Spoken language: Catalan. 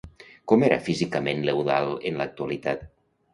Com era físicament l'Eudald en l'actualitat?